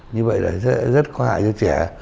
như vậy là sẽ rất có hại cho trẻ